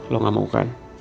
lo gak mau kan